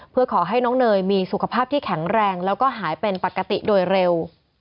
เพื่อขอให้น้องเนยมีสุขภาพที่แข็งแรงแล้วก็หายเป็นปกติโดยเร็ว